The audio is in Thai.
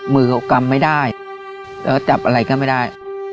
มือเขากำไม่ได้แล้วจับอะไรก็ไม่ได้